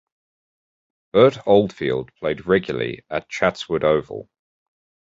Bert Oldfield played regularly at Chatswood Oval.